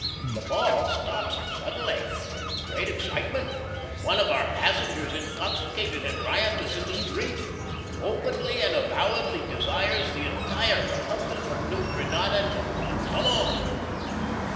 The ball stops suddenly. Great excitement. One of our passengers intoxicated and riotous in the street. Openly and avowedly desires the entire Republic of New Grenada to "come on."